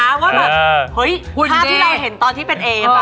ว่าแบบเฮ้ยภาพที่เราเห็นตอนที่เป็นเอฟ